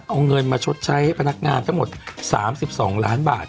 เอาเงินมาชดใช้พนักงานทั้งหมด๓๒ล้านบาท